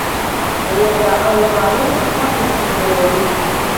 Уара, ауаа рус зхы ақәызҵахьоу уаҩуп!